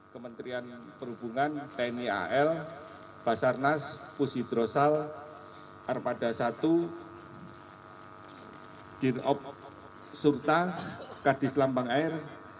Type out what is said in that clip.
kementerian perhubungan tni al basarnas pusidrosal arpadasatu dirop sumta kadis lambang air